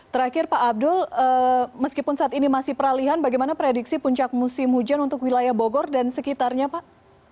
terakhir pak abdul meskipun saat ini masih peralihan bagaimana prediksi puncak musim hujan untuk wilayah bogor dan sekitarnya pak